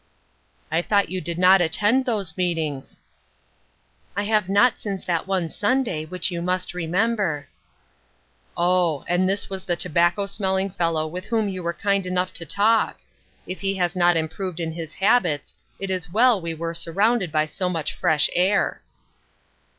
"I thought you did not attend those meetings." " I have not since that one Sunday, which you must remember." " Oh ! and this was the tobacco smelling fellow with whom you were kind enough to talk. If he has not improved in his habits, it is well we were surrounded by so much fresh air."